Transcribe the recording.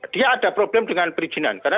dia ada problem dengan perizinan karena